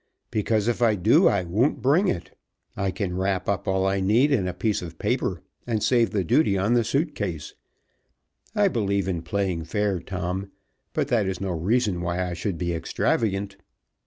Because if I do, I won't bring it. I can wrap all I need in a piece of paper, and save the duty on the suit case. I believe in playing fair, Tom, but that is no reason why I should be extravagant."